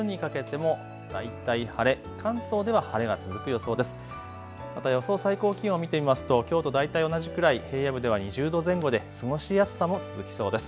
また予想最高気温を見てみますときょうと大体同じくらい平野部では２０度前後で過ごしやすさも続きそうです。